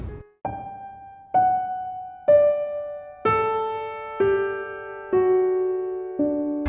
นวยในตัว